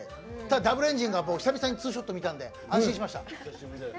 Ｗエンジンは久々にツーショット見たんで安心しました。